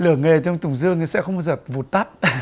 lửa nghề trong tùng dương thì sẽ không bao giờ vụt tắt